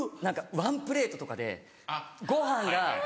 ワンプレートとかでご飯が。